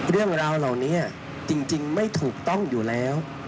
เรื่องราวเหล่านี้จริงไม่ถูกต้องอยู่แล้ว